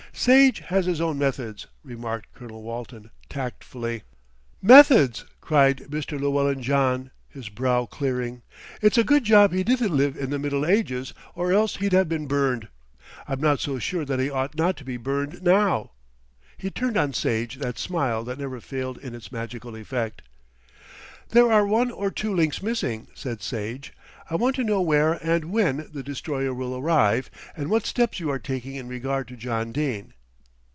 "Sage has his own methods," remarked Colonel Walton tactfully. "Methods," cried Mr. Llewellyn John, his brow clearing, "it's a good job he didn't live in the Middle Ages, or else he'd have been burned. I'm not so sure that he ought not to be burned now." He turned on Sage that smile that never failed in its magical effect. "There are one or two links missing," said Sage. "I want to know where and when the Destroyer will arrive, and what steps you are taking in regard to John Dene."